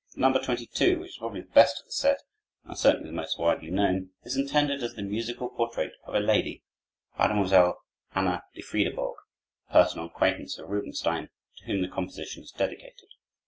The No. 22, which is probably the best of the set and certainly the most widely known, is intended as the musical portrait of a lady, Mademoiselle Anna de Friedebourg, a personal acquaintance of Rubinstein, to whom the composition is dedicated.